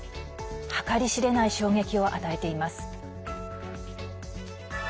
計り知れない衝撃を与えています。